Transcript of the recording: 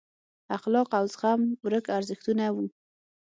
اخلاق او زغم ورک ارزښتونه وو.